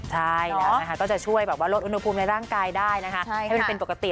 ใช่แล้วก็จะช่วยลดอุณหภูมิในร่างกายได้นะคะให้เป็นปกติ